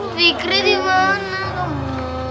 fikri dimana kamu